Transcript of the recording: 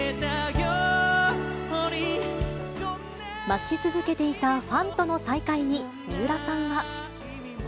待ち続けていたファンとの再会に、三浦さんは。